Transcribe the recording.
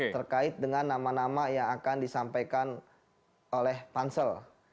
terkait dengan nama nama yang akan disampaikan oleh pansel